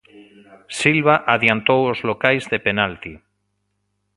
Silva adiantou os locais de penalti.